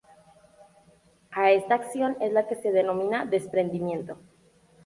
A esta acción es lo que se denomina "desprendimiento".